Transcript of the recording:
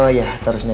oh ya terusin aja